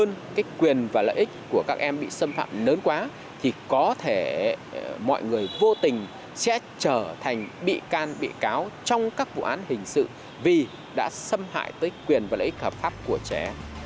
nhưng cái quyền và lợi ích của các em bị xâm phạm lớn quá thì có thể mọi người vô tình sẽ trở thành bị can bị cáo trong các vụ án hình sự vì đã xâm hại tới quyền và lợi ích hợp pháp của trẻ